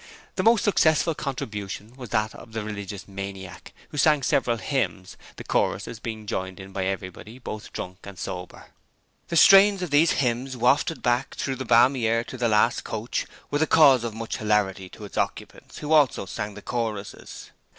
The most successful contribution was that of the religious maniac, who sang several hymns, the choruses being joined in by everybody, both drunk and sober. The strains of these hymns, wafted back through the balmy air to the last coach, were the cause of much hilarity to its occupants who also sang the choruses.